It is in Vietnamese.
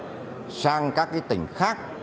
qua dịch sang các cái tỉnh khác